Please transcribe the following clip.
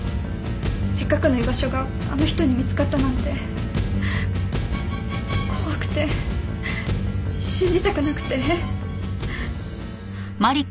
せっかくの居場所があの人に見つかったなんて怖くて信じたくなくて。